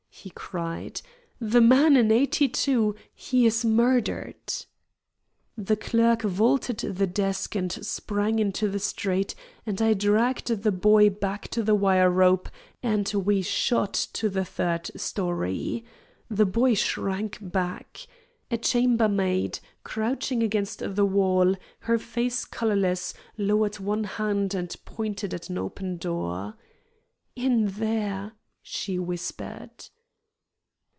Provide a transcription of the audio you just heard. he cried. "The man in eighty two he's murdered." The clerk vaulted the desk and sprang into the street, and I dragged the boy back to the wire rope and we shot to the third story. The boy shrank back. A chambermaid, crouching against the wall, her face colorless, lowered one hand, and pointed at an open door. "In there," she whispered.